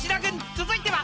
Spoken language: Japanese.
続いては］